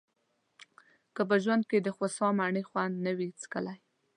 که په ژوند کې دخوسا مڼې خوند نه وي څکلی.